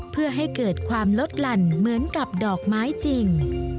เพื่อให้เกิดความลดหลั่นเหมือนกับดอกไม้จริง